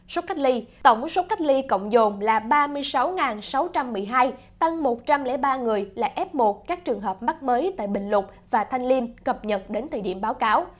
số cách ly tổng số cách ly cộng dồn là ba mươi sáu sáu trăm một mươi hai tăng một trăm linh ba người là f một các trường hợp mắc mới tại bình lục và thanh liêm cập nhật đến thời điểm báo cáo